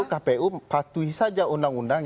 kpu patuhi saja undang undang